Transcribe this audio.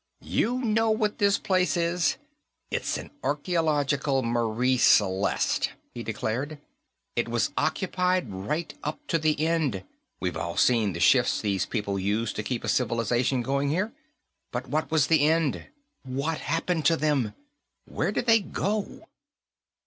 "You know what this place is? It's an archaeological Marie Celeste!" he declared. "It was occupied right up to the end we've all seen the shifts these people used to keep a civilization going here but what was the end? What happened to them? Where did they go?"